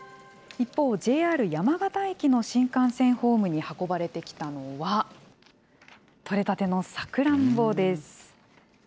一方、ＪＲ山形駅の新幹線ホームに運ばれてきたのは、取れたてのさくらんぼです。